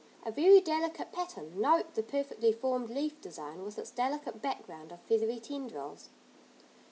A very delicate pattern. Note the perfectly formed leaf design with its delicate background of feathery tendrils.